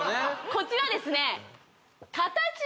こちらはですね